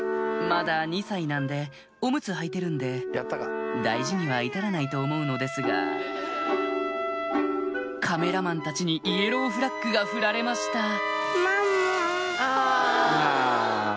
まだ２歳なんでおむつ履いてるんで大事には至らないと思うのですがカメラマンたちにイエローフラッグが振られました